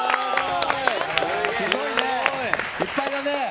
すごいね、いっぱいだね。